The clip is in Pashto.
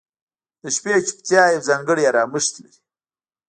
• د شپې چوپتیا یو ځانګړی آرامښت لري.